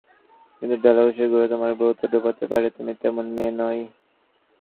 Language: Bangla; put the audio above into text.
কিন্তু ভালোবাসার গুরুভারে তোমার ব্রত ডোবাতে পারে তুমি তেমন মেয়ে নও।